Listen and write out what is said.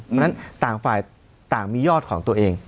เพราะฉะนั้นต่างฝ่ายต่างมียอดของตัวเอง